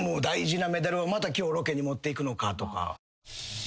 大事なメダルをまた今日ロケに持っていくのかとか。